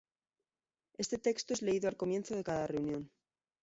Este texto es leído al comienzo de cada reunión.